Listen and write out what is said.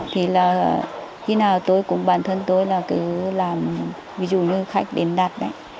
thì là khi nào tôi cũng bản thân tôi là cứ làm ví dụ như khách đến đặt đấy